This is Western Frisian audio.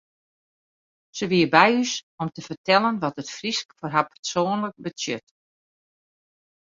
Se wie by ús om te fertellen wat it Frysk foar har persoanlik betsjut.